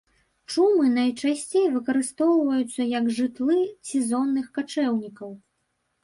Чумы найчасцей выкарыстоўваюцца як жытлы сезонных качэўнікаў.